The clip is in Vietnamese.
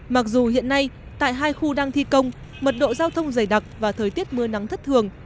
mặc dù hiện nay tại hai khu đang thi công mật độ giao thông dày đặc và thời tiết mưa nắng thất thường